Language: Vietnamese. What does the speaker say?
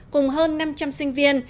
cùng hơn năm trăm linh sinh viên